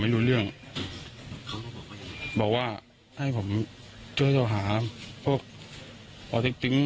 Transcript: แต่รู้ก็แค่มียาเคอ่ะพี่